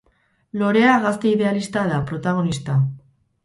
Lorea gazte idealista da protagonista.